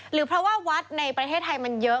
หรือเพราะว่าวัดในประเทศไทยมันเยอะ